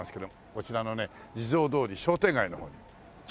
こちらのね地蔵通り商店街の方にちょっと行って。